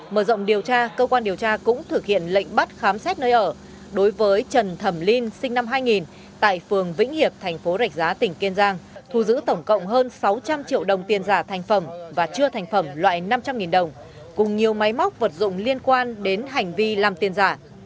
mở rộng điều tra cơ quan điều tra cũng thực hiện lệnh bắt khám xét nơi ở đối với trần thẩm linh sinh năm hai nghìn tại phường vĩnh hiệp thành phố rạch giá tỉnh kiên giang thu giữ tổng cộng hơn sáu trăm linh triệu đồng tiền giả thành phẩm và chưa thành phẩm loại năm trăm linh đồng cùng nhiều máy móc vật dụng liên quan đến hành vi làm tiền giả